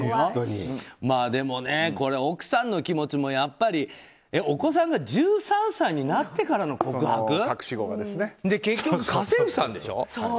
でも奥さんの気持ちもやっぱりお子さんが１３歳になってからの告白で結局、家政婦さんでしょ。